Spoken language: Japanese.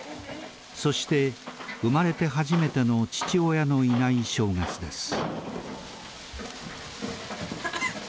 そして生まれて初めての父親のいない正月です。